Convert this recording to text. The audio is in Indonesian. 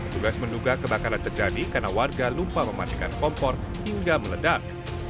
tugas menduga kebakaran terjadi karena warga lupa mematikan kompor hingga meledak